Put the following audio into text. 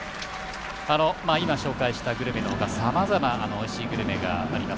紹介したグルメのほかさまざま、おいしいグルメがあります